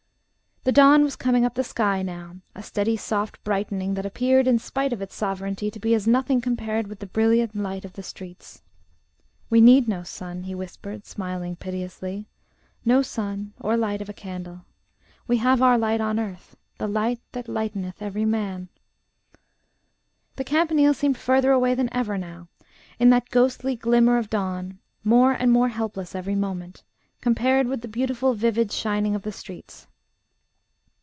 The dawn was coming up the sky now, a steady soft brightening that appeared in spite of its sovereignty to be as nothing compared with the brilliant light of the streets. "We need no sun," he whispered, smiling piteously; "no sun or light of a candle. We have our light on earth the light that lighteneth every man...." The Campanile seemed further away than ever now, in that ghostly glimmer of dawn more and more helpless every moment, compared with the beautiful vivid shining of the streets.